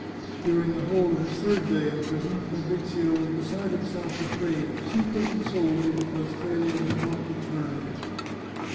During the whole of his third day in prison, Fabrizio was beside himself with rage, simply and solely because Clelia had not returned.